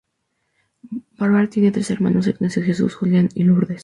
Bárbara tiene tres hermanos: Ignacio Jesús, Julián, y Lourdes.